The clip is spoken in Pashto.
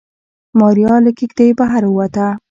ماريا له کېږدۍ بهر ووته.